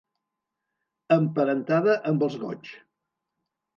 Emparentada amb els goigs.